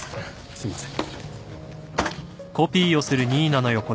すみません。